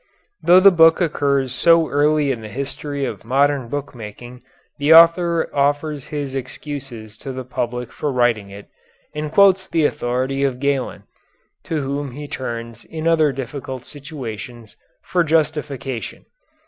Though the book occurs so early in the history of modern book making the author offers his excuses to the public for writing it, and quotes the authority of Galen, to whom he turns in other difficult situations, for justification.